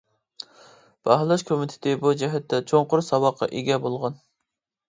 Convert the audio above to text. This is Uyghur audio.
باھالاش كومىتېتى بۇ جەھەتتە چوڭقۇر ساۋاققا ئىگە بولغان.